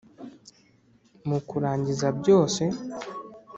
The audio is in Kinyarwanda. mu kurangiza byose,